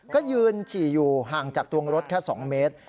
ก็ยืนฉี่อยู่ห่างจากตัวรถแค่๒เมตร